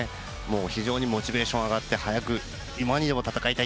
非常にモチベーションが上がって今にでも戦いたい